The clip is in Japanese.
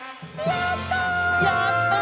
やった！